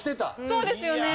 そうですよね。